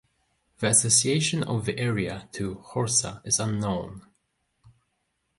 The association of the area to Horsa is unknown.